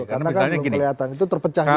karena kan belum kelihatan itu terpecah juga